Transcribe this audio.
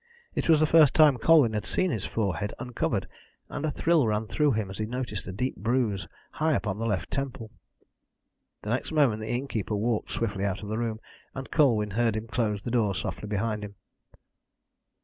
It was the first time Colwyn had seen his forehead uncovered, and a thrill ran through him as he noticed a deep bruise high upon the left temple. The next moment the innkeeper walked swiftly out of the room, and Colwyn heard him close the door softly behind him.